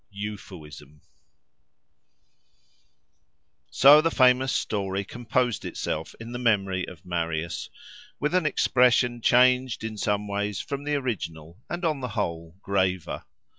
EUPHUISM So the famous story composed itself in the memory of Marius, with an expression changed in some ways from the original and on the whole graver.